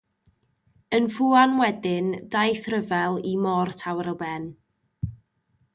Yn fuan wedyn, daeth rhyfel y Môr Tawel i ben.